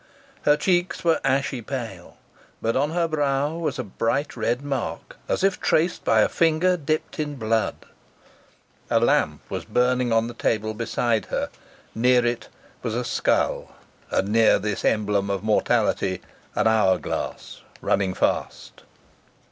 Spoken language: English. Her cheeks were ashy pale, but on her brow was a bright red mark, as if traced by a finger dipped in blood. A lamp was burning on the table beside her. Near it was a skull, and near this emblem of mortality an hourglass, running fast.